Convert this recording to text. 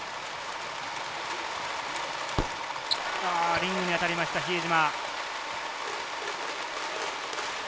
リングに当たりました、比江島。